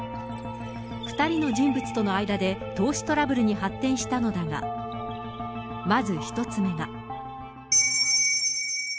２人の人物との間で投資トラブルに発展したのだが、まず１つ目が。